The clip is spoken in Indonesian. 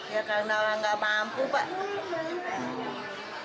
ya karena orang nggak mampu pak